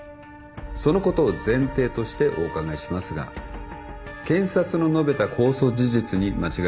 そのことを前提としてお伺いしますが検察の述べた公訴事実に間違いはありますか？